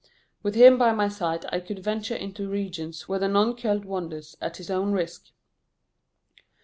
With him by my side I could venture into regions where the non Celt wanders at his own risk.